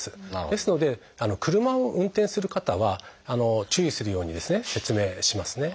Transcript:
ですので車を運転する方は注意するように説明しますね。